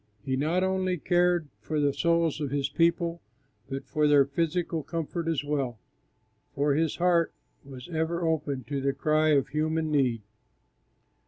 He not only cared for the souls of His people, but for their physical comfort as well; for His heart was ever open to the cry of human need.